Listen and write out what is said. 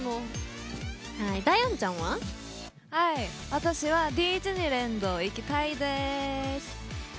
私はディズニーランド行きたいです。